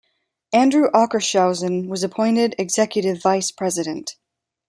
Andrew Ockershausen was appointed executive vice president.